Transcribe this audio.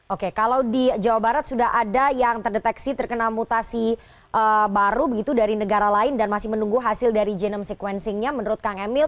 oke kalau di jawa barat sudah ada yang terdeteksi terkena mutasi baru begitu dari negara lain dan masih menunggu hasil dari genome sequencingnya menurut kang emil